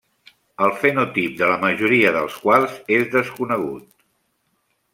El fenotip de la majoria dels quals és desconegut.